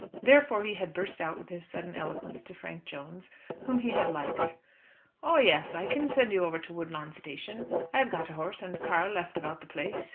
Therefore he had burst out with his sudden eloquence to Frank Jones, whom he had liked. "Oh, yes! I can send you over to Woodlawn Station. I have got a horse and car left about the place.